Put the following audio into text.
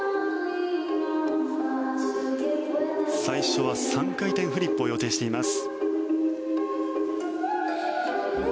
最初は３回転フリップを予定しています。